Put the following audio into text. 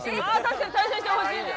確かに対戦してほしい！